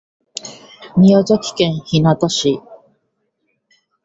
宮崎県日南市